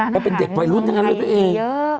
มันเป็นเด็กวายรุ่นใหม่สิเอง